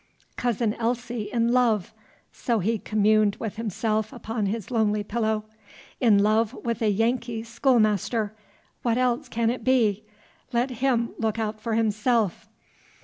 "Cousin Elsie in love!" so he communed with himself upon his lonely pillow. "In love with a Yankee schoolmaster! What else can it be? Let him look out for himself!